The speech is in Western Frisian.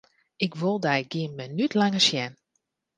Ik wol dyn gjin minút langer sjen!